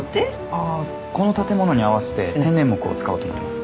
あっこの建物に合わせて天然木を使おうと思ってます